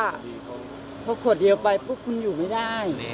ว่ากลัวคนเดี๋ยวไปปุ๊กมันอยู่ไม่ได้